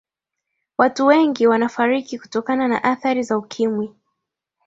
watu wengi wanafariki kutokana na athari za ukimwi